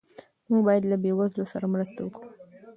موږ باید له بې وزلو سره مرسته وکړو.